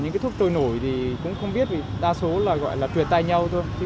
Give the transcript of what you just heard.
những cái thuốc trôi nổi thì cũng không biết vì đa số là gọi là truyền tay nhau thôi